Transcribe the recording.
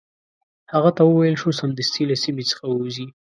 هغه ته وویل شو سمدستي له سیمي څخه ووزي.